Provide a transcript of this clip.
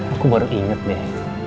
aku baru inget deh